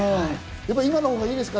今のほうがいいですか？